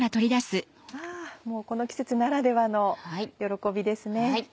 もうこの季節ならではの喜びですね。